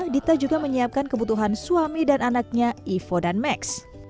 dita juga menyiapkan kebutuhan suami dan anaknya ivo dan max